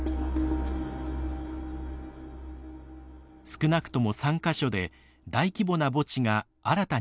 少なくとも３か所で大規模な墓地が新たに作られていました。